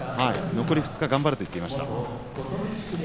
残り２日頑張ると言っていました。